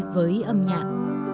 với âm nhạc